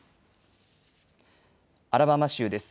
アラバマ州です。